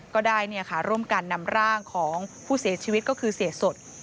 ก็ได้ร่วมกันนำร่างของผู้เสียชีวิตก็คือเสียสด